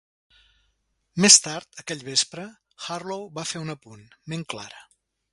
Més tard, aquell vespre, Harlow va fer un apunt: ment clara.